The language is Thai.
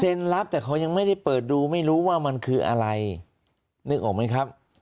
รับแต่เขายังไม่ได้เปิดดูไม่รู้ว่ามันคืออะไรนึกออกไหมครับ